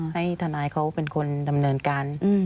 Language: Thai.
ให้ทนายเขาเป็นคนดำเนินการ